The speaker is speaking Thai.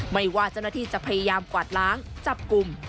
ไม่ว่าเจ้าหน้าที่จะพยายามกวาดล้างจับกลุ่ม